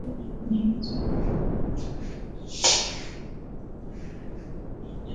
এটি ভবনটি মুঘল সাম্রাজ্যের সমাধির সাথে অনেক মিল রয়েছে।